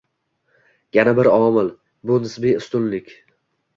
Yana bir omil - bu nisbiy ustunlik